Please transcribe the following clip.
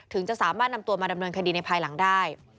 จะสามารถนำตัวมาดำเนินคดีในภายหลังได้